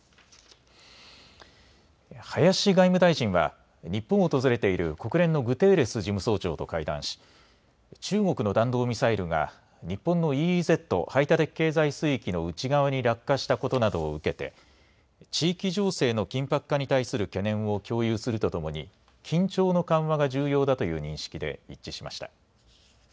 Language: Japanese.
林外務大臣は、日本を訪れている国連のグテーレス事務総長と会談し、中国の弾道ミサイルが、日本のＥＥＺ・排他的経済水域の内側に落下したことなどを受けて、地域情勢の緊迫化に対する懸念を共有するとともに、緊張の緩和が重要だという認識で一致しました。